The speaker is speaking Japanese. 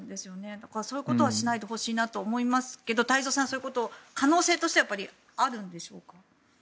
だから、そういうことはしないでほしいなと思いますが太蔵さん、そういうこと可能性としてはやっぱりあるんでしょうか？